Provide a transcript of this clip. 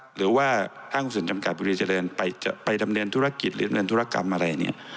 หรือว่าห้างคุณส่วนจำกัดบุรีเจริญไปไปดำเรียนธุรกิจหรือดำเรียนธุรกรรมอะไรเนี่ย